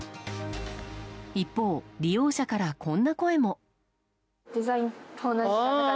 一方、利用者からこんな声も。